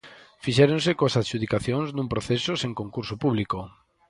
Fixéronse coas adxudicacións, nun proceso sen concurso público.